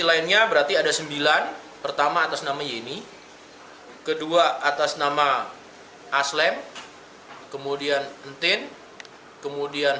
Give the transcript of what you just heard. lainnya berarti ada sembilan pertama atas nama yeni kedua atas nama aslem kemudian entin kemudian